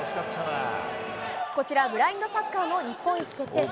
こちら、ブラインドサッカーの日本一決定戦。